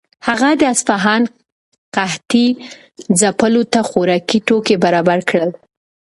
هغه د اصفهان قحطۍ ځپلو ته خوراکي توکي برابر کړل.